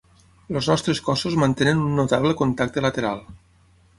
Els nostres cossos mantenen un notable contacte lateral.